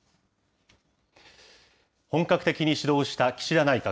本格的に始動した岸田内閣。